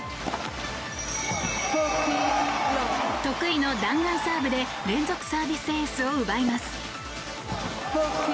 得意の弾丸サーブで連続サービスエースを奪います。